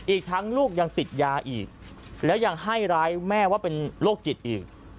อีกทั้งลูกยังติดยาอีกแล้วยังให้ร้ายแม่ว่าเป็นโรคจิตอีก